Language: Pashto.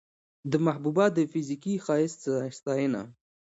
د محبوبا د فزيکي ښايست ستاينه